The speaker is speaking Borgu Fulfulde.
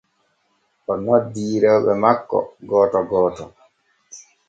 O noddi rewɓe makko gooto gooto.